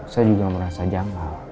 saya juga merasa janggal